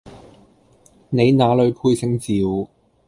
你那裡配姓趙